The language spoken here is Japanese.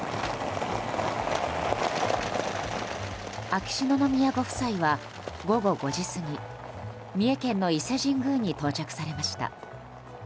秋篠宮ご夫妻は午後５時過ぎ三重県の伊勢神宮に到着されました。